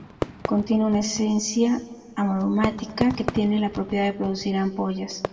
Contiene una esencia aromática que tiene la propiedad de producir ampollas.